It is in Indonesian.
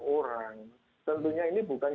orang tentunya ini bukan